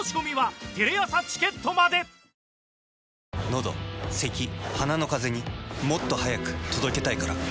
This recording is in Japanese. のどせき鼻のカゼにもっと速く届けたいから。